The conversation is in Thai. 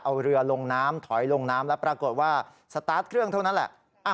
เอาเรือลงน้ำถอยลงน้ำแล้วปรากฏว่าสตาร์ทเครื่องเท่านั้นแหละ